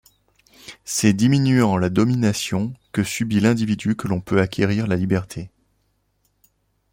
C'est diminuant la domination que subit l'individu que l'on peut acquérir la liberté.